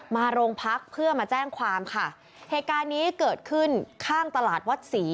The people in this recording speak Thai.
มาโรงพักเพื่อมาแจ้งความค่ะเหตุการณ์นี้เกิดขึ้นข้างตลาดวัดศรี